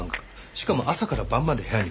しかも朝から晩まで部屋にこもり